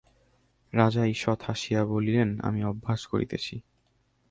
রাজা ঈষৎ হাসিয়া বলিলেন, আমি অভ্যাস করিতেছি।